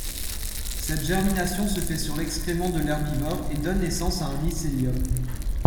Cette germination se fait sur l'excrément de l'herbivore et donne naissance à un mycélium.